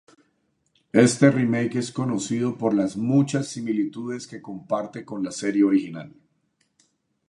Este remake es conocido por las muchas similitudes que comparte con la serie original.